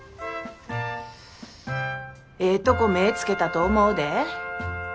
ええとこ目ぇつけたと思うで。